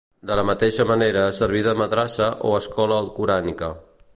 De la mateixa manera serví de madrassa o escola alcorànica.